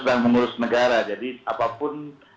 kita sedang mengurus negara jadi apapun